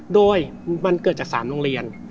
โดยมันเกิดจาก๓โรงเรียน